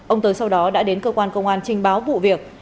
ông tới sau đó đã đến cơ quan công an trình báo vụ việc